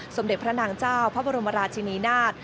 สมเด็จพระนางเจ้าพระบรมราชินีนาฏ